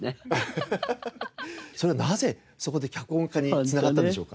それがなぜそこで脚本家に繋がったんでしょうか？